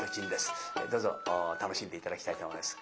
どうぞ楽しんで頂きたいと思います。